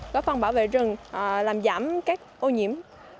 có phần bảo vệ trường làm giảm các ô nhiễm